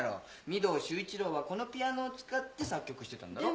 御堂周一郎はこのピアノを使って作曲してたんだろ？